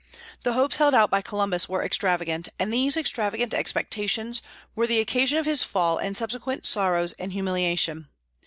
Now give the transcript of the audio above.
The hopes held out by Columbus were extravagant; and these extravagant expectations were the occasion of his fall and subsequent sorrows and humiliation.